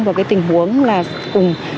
vào cái tình huống là cùng